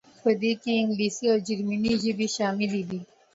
په دې کې انګلیسي او جرمني ژبې شاملې دي.